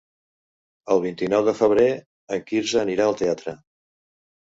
El vint-i-nou de febrer en Quirze anirà al teatre.